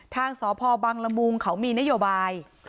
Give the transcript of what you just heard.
ทางสพบังละมุงเขามีนโยบาย